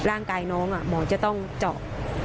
ร่างกายน้องหมอจะต้องเจาะ